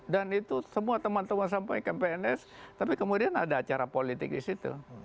dan itu semua teman teman sampai ke pns tapi kemudian ada acara politik di situ